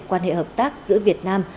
quan hệ hợp tác giữa việt nam